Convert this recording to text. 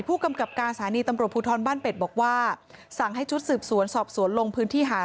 ผู้กำกับการสถานีตำรวจภูทรบ้านเป็ดบอกว่าสั่งให้ชุดสืบสวนสอบสวนลงพื้นที่หา